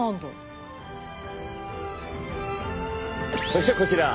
そしてこちら。